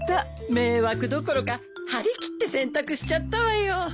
迷惑どころか張り切って洗濯しちゃったわよ。